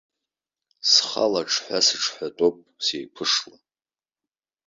Схала аҽҳәа сыҽҳәатәоуп сеиқәышла.